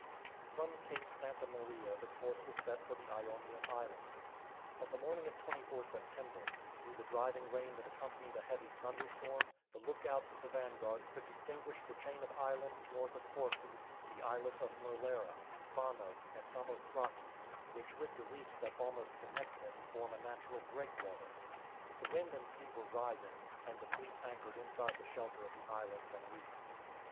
From Cape Santa Maria the course was set for the Ionian Islands. On the morning of 24 September, through the driving rain that accompanied a heavy thunderstorm, the look outs of the vanguard could distinguish the chain of islands north of Corfu, the islets of Merlera, Fano, and Samothraki, which with the reefs that almost connect them form a natural breakwater. The wind and sea were rising, and the fleet anchored inside the shelter of the islands and reefs.